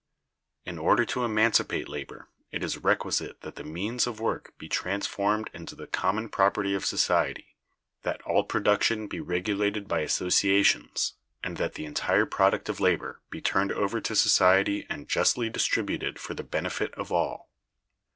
In order to emancipate labor it is requisite that the means of work be transformed into the common property of society, that all production be regulated by associations, and that the entire product of labor be turned over to society and justly distributed for the benefit of all.